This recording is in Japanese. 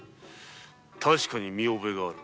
確かに見覚えがある。